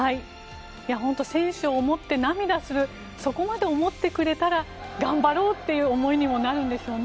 本当に選手を思って涙するそこまで思ってくれたら頑張ろうっていう思いにもなるんでしょうね。